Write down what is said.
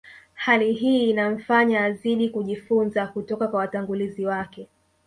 Hali hii inamfanya azidi kujifunza kutoka kwa watangulizi wake